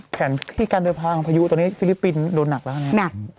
แผนที่การโดยพาของพยูตรงนี้ฟิลิปปินส์โดนหนักแล้วค่ะ